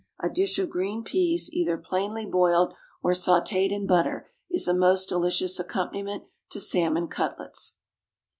A dish of green peas, either plainly boiled, or sautéd in butter, is a most delicious accompaniment to salmon cutlets.